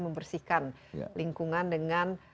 membersihkan lingkungan dengan